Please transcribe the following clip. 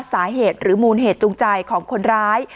สาเหตุหรือมูลเหตุจูงใจของคนร้าย